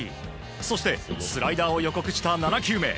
そしてスライダーを予告した７球目。